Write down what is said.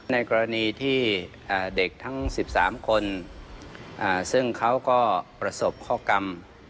ในกรณีที่เด็กทั้ง๑๓คนซึ่งเขาก็ประสบข้อกรรม